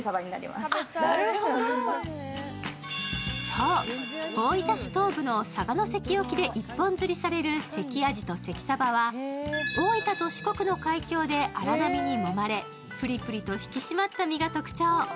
そう、大分市東部の佐賀関沖で一本釣りされる関あじと関さばは大分と四国の海峡で荒波にもまれぷりぷりと引き締まった身が特徴。